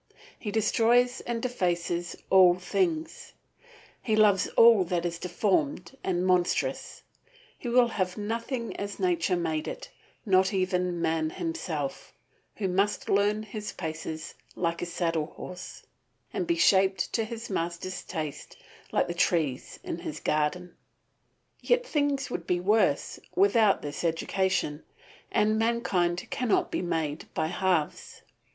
He destroys and defaces all things; he loves all that is deformed and monstrous; he will have nothing as nature made it, not even man himself, who must learn his paces like a saddle horse, and be shaped to his master's taste like the trees in his garden. Yet things would be worse without this education, and mankind cannot be made by halves.